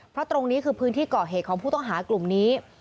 เพราะตรงนี้คือพื้นที่ก่อเหตุของผู้ต้องหากลุ่มนี้